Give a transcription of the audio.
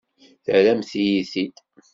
Terramt-iyi-t-id.